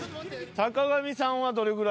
坂上さんはどれぐらい？